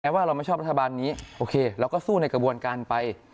ว่าเราไม่ชอบรัฐบาลนี้โอเคเราก็สู้ในกระบวนการไป